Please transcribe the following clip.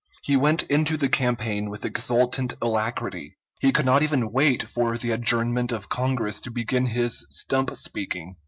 He went into the campaign with exultant alacrity. He could not even wait for the adjournment of Congress to begin his stump speaking.